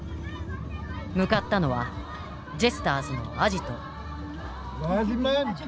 向かったのはジェスターズのアジト。